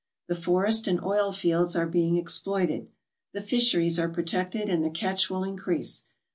The forest and oil fields are being exploited. The fisheries are protected and the catch will increase.